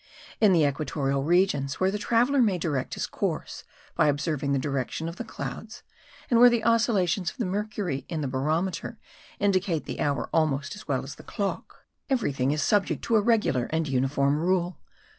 In the equatorial regions, where the traveller may direct his course by observing the direction of the clouds, and where the oscillations of the mercury in the barometer indicate the hour almost as well as a clock, everything is subject to a regular and uniform rule.